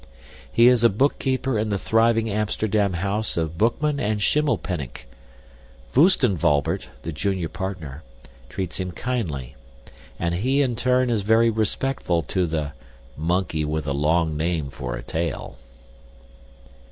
He is a bookkeeper in the thriving Amsterdam house of Boekman and Schimmelpenninck. Voostenwalbert, the junior partner, treats him kindly; and he, in turn, is very respectful to the "monkey with a long name for a tail."